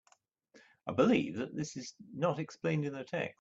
I believe that this is not explained in the text.